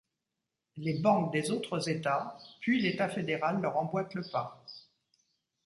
Les banques des autres États, puis l'État fédéral leur emboîtent le pas.